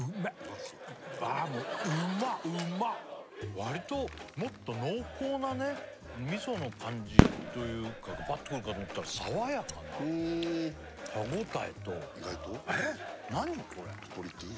わりともっと濃厚なね味噌の感じというかがバっとくるかと思ったら爽やかな歯応えと意外と俺いっていい？